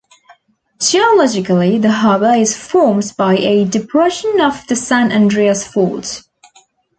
Geologically, the harbor is formed by a depression of the San Andreas Fault.